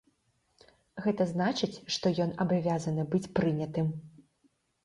Гэта значыць, што ён абавязаны быць прынятым.